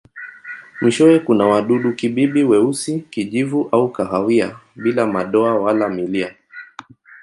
Mwishowe kuna wadudu-kibibi weusi, kijivu au kahawia bila madoa wala milia.